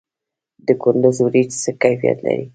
د کندز وریجې څه کیفیت لري؟